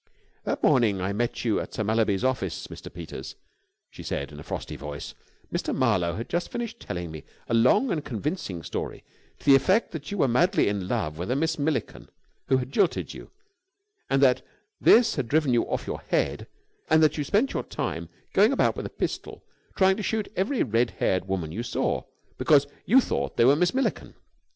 "That morning I met you at Sir Mallaby's office, Mr. Peters," she said in a frosty voice, "Mr. Marlowe had just finished telling me a long and convincing story to the effect that you were madly in love with a Miss Milliken, who had jilted you, and that this had driven you off your head, and that you spent your time going about with a pistol, trying to shoot every red haired woman you saw, because you thought they were Miss Milliken.